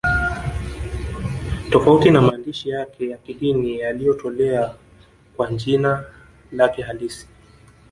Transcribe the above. Tofauti na maandishi yake ya kidini yaliyotolewa kwa jina lake halisi